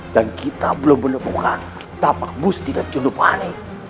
dan kita belum menemukan tapak busti dan cundu panik